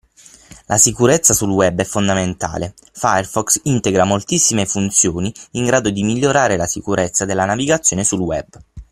La sicurezza sul Web è fondamentale: Firefox integra moltissime funzioni in grado di migliorare la sicurezza della navigazione sul Web.